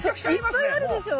そういっぱいあるでしょ！